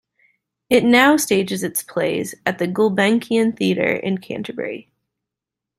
It now stages its plays at the Gulbenkian Theatre in Canterbury.